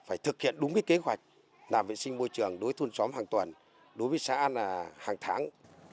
phải thực hiện đúng kế hoạch làm vệ sinh môi trường đối thôn xóm hàng tuần đối với xã là hàng tháng